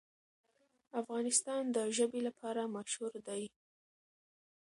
افغانستان د ژبې لپاره مشهور دی.